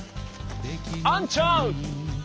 あんちゃん！